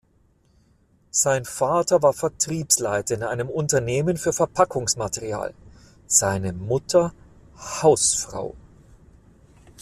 Sein Vater war Vertriebsleiter in einem Unternehmen für Verpackungsmaterial, seine Mutter Hausfrau.